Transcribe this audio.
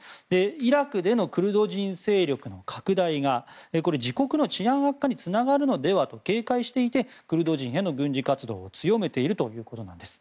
イラクでのクルド人勢力の拡大が自国の治安悪化につながるのではと警戒していてクルド人への軍事活動を強めているということです。